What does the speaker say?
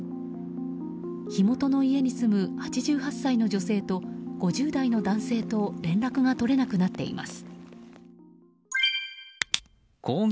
火元の家に住む８８歳の女性と５０代の男性と連絡が取れなくなっています。